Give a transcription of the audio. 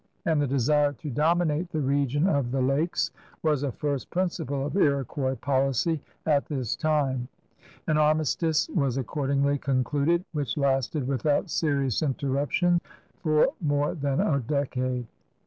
And the desire to dominate the region of the lakes was a first principle of Iroquois policy at this time. An armistice was accordingly concluded, which lasted without serious interruption for more than a decade.